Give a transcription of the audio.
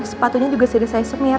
sepatunya juga sudah saya semir